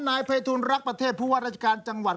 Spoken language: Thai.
นายภัยทูลรักประเทศผู้ว่าราชการจังหวัด